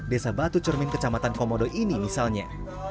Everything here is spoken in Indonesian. desa batu cermin kecamatan komodo ini misalnya